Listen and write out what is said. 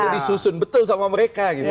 disusun betul sama mereka gitu ya